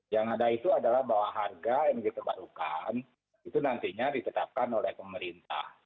yang ada itu adalah bahwa harga energi terbarukan itu nantinya ditetapkan oleh pemerintah